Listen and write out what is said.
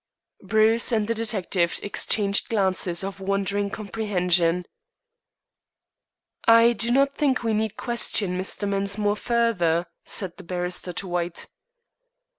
Bruce and the detective exchanged glances of wondering comprehension. "I do not think we need question Mr. Mensmore further," said the barrister to White.